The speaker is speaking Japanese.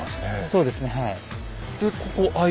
そうですねはい。